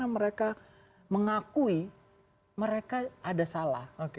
mereka mengakui mereka ada salah